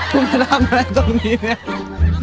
คุณพระทำอะไรตรงนี้เนี่ย